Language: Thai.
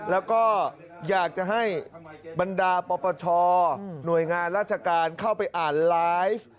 แล้วก็อยากจะให้บรรดาปปชหน่วยงานราชการเข้าไปอ่านไลฟ์